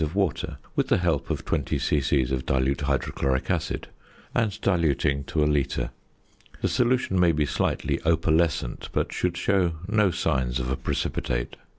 of water with the help of 20 c.c. of dilute hydrochloric acid, and diluting to a litre. The solution may be slightly opalescent, but should show no signs of a precipitate.